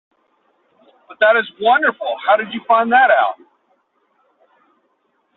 But that is wonderful! How did you find that out?